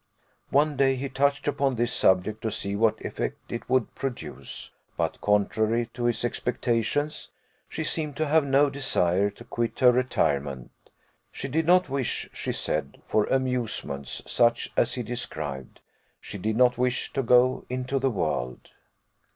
One day he touched upon this subject, to see what effect it would produce; but, contrary to his expectations, she seemed to have no desire to quit her retirement: she did not wish, she said, for amusements such as he described; she did not wish to go into the world.